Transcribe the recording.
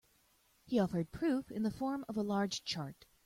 He offered proof in the form of a large chart.